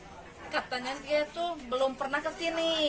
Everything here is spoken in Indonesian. lihat kondisi katanya dia itu belum pernah kesini